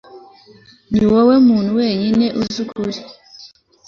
niwowe muntu wenyine uzi ukuri